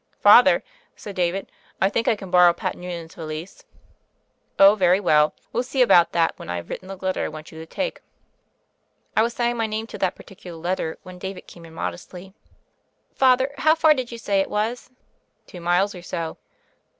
'* "Father," said David, "I think I can borrow Pat Noonan's valise." "Oh, very well. We'll see about that when I've written the letter I want you to take." I was signing my name to that particular letter when David came in modestly. "Father, how far did you say it was?" "Two miles or so."